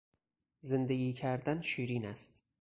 زندگی کردن شیرین است.